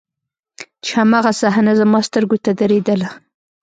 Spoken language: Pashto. چې هماغه صحنه زما سترګو ته درېدله.